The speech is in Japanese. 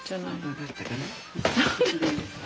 分かったかな？